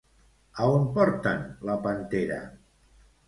A on porten la pantera?